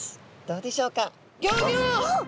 どうでしょうか。